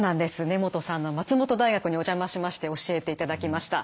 根本さんの松本大学にお邪魔しまして教えていただきました。